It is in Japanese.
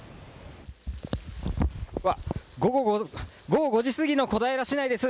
うわっ、午後５時過ぎの小平市内です。